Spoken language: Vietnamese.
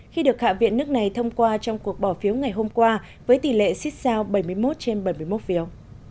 khi được hạ viện nước này thông qua trong cuộc bỏ phiếu ngày hôm qua với tỷ lệ xích sao bảy mươi một trên bảy mươi một phiếu